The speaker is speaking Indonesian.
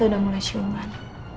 tante udah mulai ciuman